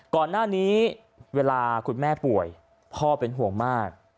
ก่อนหน้านี้เวลาคุณแม่ป่วยพ่อเป็นห่วงมาก